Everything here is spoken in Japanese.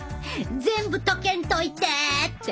「全部溶けんといてっ！」て。